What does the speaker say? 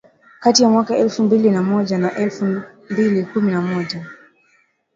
kati ya mwaka elfu mbili na moja na elfu mbili kumi na moja